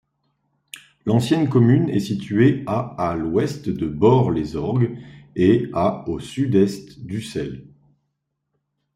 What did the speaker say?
L'ancienne commune est située à à l'ouest de Bort-les-Orgues et à au sud-est d'Ussel.